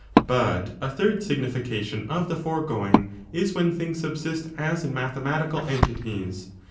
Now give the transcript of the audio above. But a third signification of the foregoing is when things subsist as in mathematical entities.